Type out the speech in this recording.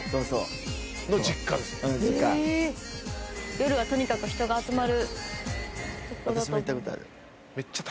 夜はとにかく人が集まる。